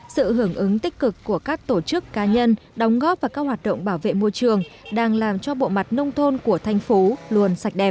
sự hưởng ứng tích cực của các tổ chức cá nhân đóng góp vào các hoạt động bảo vệ môi trường đang làm cho bộ mặt nông thôn của thành phố luôn sạch đẹp